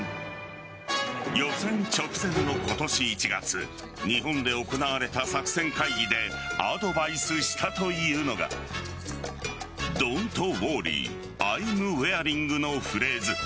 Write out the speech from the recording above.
予選直前の今年１月日本で行われた作戦会議でアドバイスしたというのがＤｏｎ’ｔｗｏｒｒｙＩ’ｍｗｅａｒｉｎｇのフレーズ。